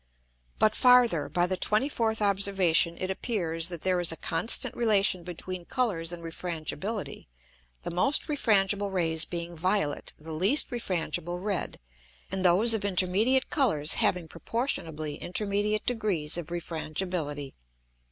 But farther; by the 24th Observation it appears, that there is a constant relation between Colours and Refrangibility; the most refrangible Rays being violet, the least refrangible red, and those of intermediate Colours having proportionably intermediate degrees of Refrangibility.